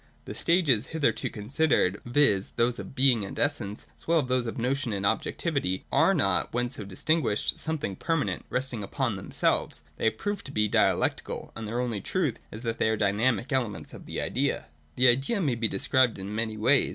The stages hitherto considered, viz. those of Being and Essence, as well as those of Notion and of Objectivity, are not, when so distinguished, something permanent, resting upon them selves. They have proved to be dialectical ; and their only truth is that they are dynamic elements of the idea. 214.] The Idea may be described in many ways.